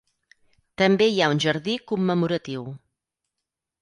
També hi ha un jardí commemoratiu.